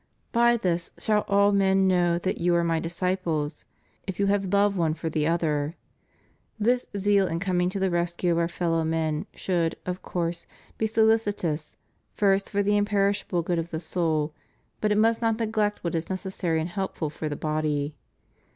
By this shall all men know that you are My disciples, if you have love one for the other." This zeal in coming to the rescue of Our fellow men should, of course, be solicitous, first for the imperishable good of the soul, but it must not neglect what is necessary and helpful for the body.